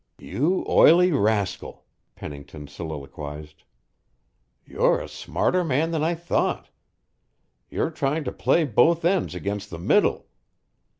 "You oily rascal!" Pennington soliloquized. "You're a smarter man than I thought. You're trying to play both ends against the middle."